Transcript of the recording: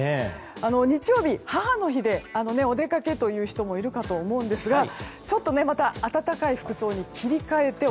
日曜日は母の日でお出かけという人もいるかと思うんですがまた温かい服装に切り替えて